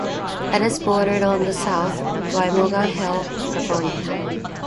It is bordered on the south by Morgan Hill, California.